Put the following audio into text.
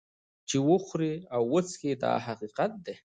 چې وخوري او وڅکي دا حقیقت دی.